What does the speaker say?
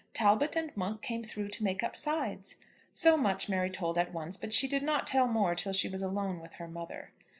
Talbot and Monk came through to make up sides." So much Mary told at once, but she did not tell more till she was alone with her mother.